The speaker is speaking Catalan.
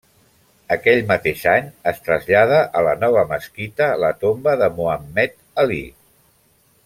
Aquell mateix any es trasllada a la nova mesquita la tomba de Mohammed Ali.